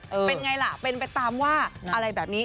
เป็นไงล่ะเป็นไปตามว่าอะไรแบบนี้